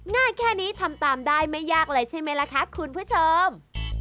ง่ายแค่นี้ทำตามได้ไม่ยากเลยใช่ไหมล่ะคะคุณผู้ชม